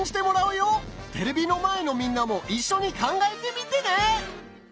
テレビの前のみんなも一緒に考えてみてね！